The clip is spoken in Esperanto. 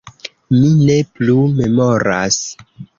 Mi ne plu memoras.